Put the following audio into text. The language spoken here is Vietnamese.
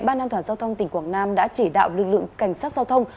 ban an toàn giao thông tỉnh quảng nam đã chỉ đạo lực lượng cảnh sát giao thông